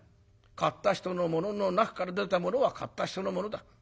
買った人のものの中から出たものは買った人のものだ。